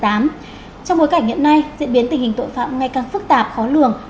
trong bối cảnh hiện nay diễn biến tình hình tội phạm ngày càng phức tạp khó lường